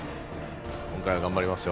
今回は頑張りますよ。